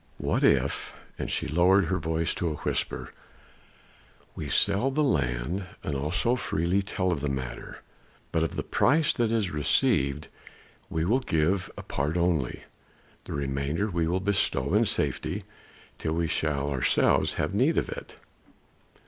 What if " and she lowered her voice to a whisper "we sell the land, and also freely tell of the matter, but of the price that is received we will give a part only, the remainder we will bestow in safety till we shall ourselves have need of it."